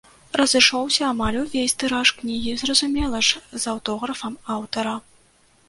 Разышоўся амаль увесь тыраж кнігі, зразумела ж, з аўтографам аўтара.